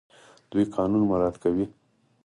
دوی قانون مراعات کوي.